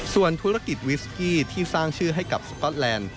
ส่วนธุรกิจวิสกี้ที่สร้างชื่อให้กับสก๊อตแลนด์